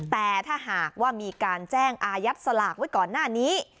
แต่ถ้าหากว่ามีการแจ้งอายัดสลากไว้ก่อนหน้านี้